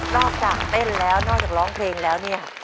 จากเต้นแล้วนอกจากร้องเพลงแล้วเนี่ย